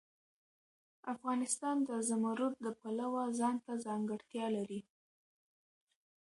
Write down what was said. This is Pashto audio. افغانستان د زمرد د پلوه ځانته ځانګړتیا لري.